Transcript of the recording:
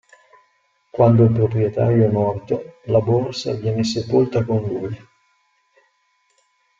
Quando il proprietario è morto, la borsa viene sepolta con lui.